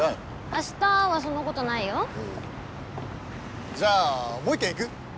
明日はそんなことないよじゃあもう１軒行く？